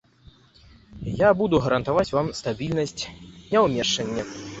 Я буду гарантаваць вам стабільнасць, неўмяшанне.